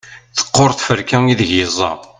teqqur tferka ideg yeẓẓa